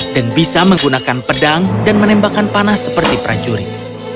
dan bisa menggunakan pedang dan menembakkan panas seperti prajurit